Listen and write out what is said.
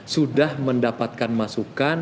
sudah mendapatkan masukan